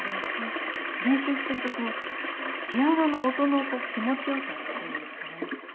練習してるとピアノの音の気持ち良さっていうんですかね